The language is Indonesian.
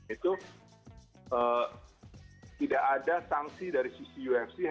itu tidak ada sanksi dari sisi ufc